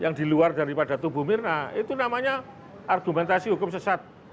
yang di luar daripada tubuh mirna itu namanya argumentasi hukum sesat